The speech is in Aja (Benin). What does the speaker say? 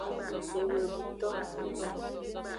Eweduto.